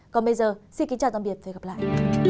còn bây giờ xin kính chào tạm biệt và hẹn gặp lại